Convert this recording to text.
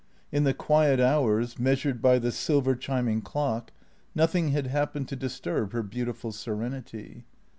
In the quiet hours, measured by the silver chiming clock, noth ing had happened to disturb her beautiful serenity.